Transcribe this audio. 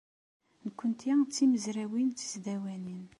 Nekkenti d timezrawin tisdawanin.